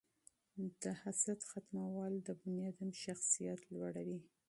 د حسد ختمول د انسان شخصیت لوړوي.